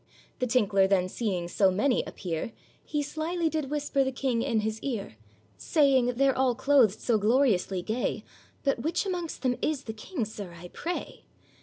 The tinkler then seeing so many appear, He slily did whisper the King in his ear: Saying, 'They're all clothed so gloriously gay, But which amongst them is the King, sir, I pray?